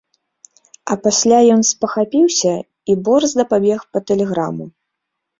А пасля ён спахапіўся і борзда пабег па тэлеграму.